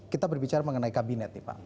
kita berbicara mengenai kabinet nih pak